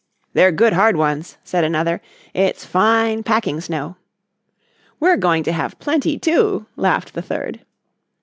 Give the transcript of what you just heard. "They're good hard ones," said another. "It's fine packing snow." "We're going to have plenty, too," laughed the third.